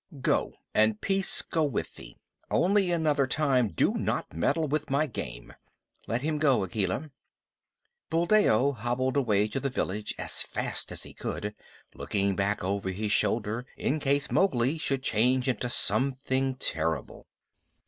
"Go, and peace go with thee. Only, another time do not meddle with my game. Let him go, Akela." Buldeo hobbled away to the village as fast as he could, looking back over his shoulder in case Mowgli should change into something terrible.